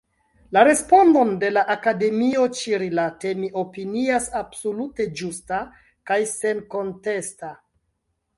La respondon de la Akademio ĉi-rilate mi opinias absolute ĝusta kaj senkontesta.